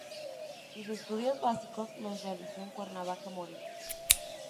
Sus estudios básicos los realizó en Cuernavaca, Morelos.